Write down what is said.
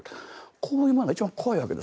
こういうものが一番怖いわけです。